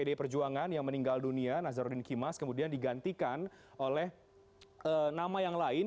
pdi perjuangan yang meninggal dunia nazarudin kimas kemudian digantikan oleh nama yang lain